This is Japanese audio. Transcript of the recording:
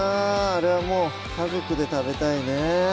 あれはもう家族で食べたいね